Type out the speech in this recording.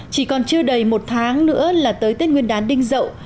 chỉ còn chưa đầy một tháng nữa là tới tết nguyên đán đinh rậu